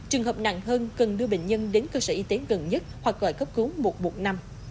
trường hợp nặng hơn cần đưa bệnh nhân đến cơ sở y tế gần nhất hoặc gọi cấp cứu một buộc năm